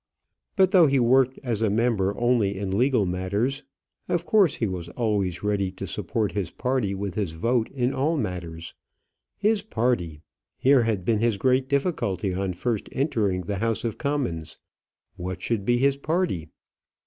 But though he worked as a member only in legal matters, of course he was always ready to support his party with his vote in all matters. His party! here had been his great difficulty on first entering the House of Commons. What should be his party?